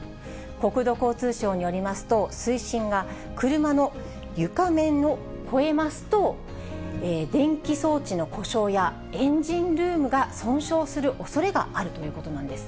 国土交通省によりますと、水深が車の床面を超えますと、電気装置の故障やエンジンルームが損傷するおそれがあるということなんです。